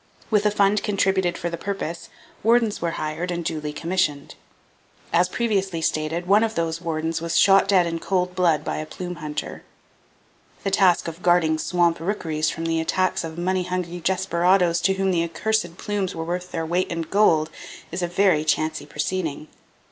With a fund contributed for the purpose, wardens were hired and duly commissioned. As previously stated, one of those wardens was shot dead in cold blood by a plume hunter. The task of guarding swamp rookeries from the attacks of money hungry desperadoes to whom the accursed plumes were worth their weight in gold, is a very chancy proceeding.